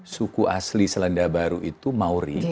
suku asli selandia baru itu mauri